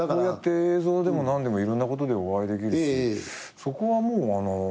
こうやって映像でも何でもいろんなことでお会いできるしそこはもう。